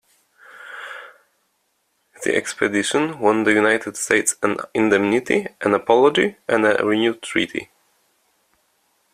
The expedition won the United States an indemnity, an apology, and a renewed treaty.